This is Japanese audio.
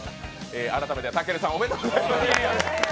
改めて、たけるさんおめでとうございます！